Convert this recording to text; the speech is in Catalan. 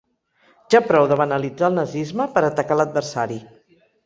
Ja prou de banalitzar el nazisme per atacar l'adversari.